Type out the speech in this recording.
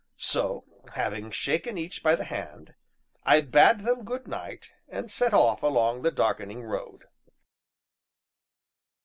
So, having shaken each by the hand, I bade them good night, and set off along the darkening road.